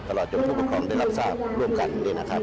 ตลอดจนผู้ปกครองได้รับทราบร่วมกันด้วยนะครับ